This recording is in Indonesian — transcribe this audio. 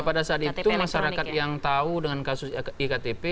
pada saat itu masyarakat yang tahu dengan kasus iktp